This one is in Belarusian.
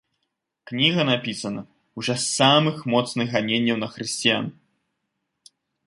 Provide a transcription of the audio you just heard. Кніга напісана ў час самых моцных ганенняў на хрысціян.